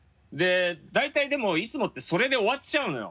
大体でもいつもってそれで終わっちゃうのよ。